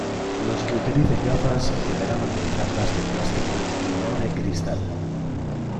Los que utilicen gafas, deberán utilizarlas de plástico y no de cristal.